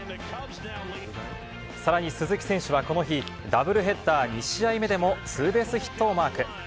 さらに鈴木選手はこの日、ダブルヘッダー２試合目でもツーベースヒットをマーク。